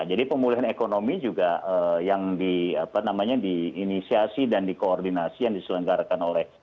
jadi pemulihan ekonomi juga yang di apa namanya di inisiasi dan di koordinasi yang diselenggarakan oleh